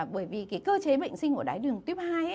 bởi vì cơ chế bệnh sinh của đáy đường tiếp hai